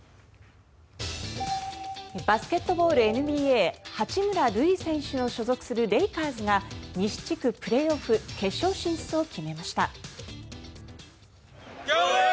バスケットボール・ＮＢＡ八村塁選手が所属するレイカーズが西地区プレーオフ決勝進出を決めました。